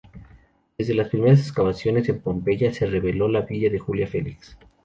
Desde las primeras excavaciones en Pompeya, se reveló la villa de Julia Felix.